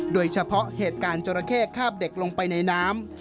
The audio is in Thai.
โดยเฉพาะเหตุการณ์จราเข้คาบเด็กลงไปในน้ำ